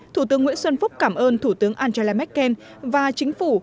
thủ tướng nguyễn xuân phúc cảm ơn thủ tướng angela merkel và chính phủ